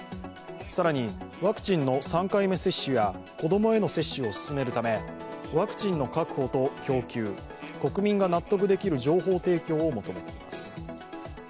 更にワクチンの３回目接種や子供への接種を進めるため、ワクチンの確保と供給、国民が納得できる情報提供を求めています。